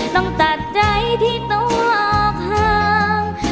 ต้องตัดใจที่ตัวออกห่าง